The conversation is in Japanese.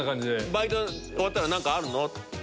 バイト終わったら何かあるの？